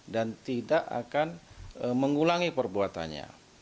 dan tidak akan mengulangi perbuatannya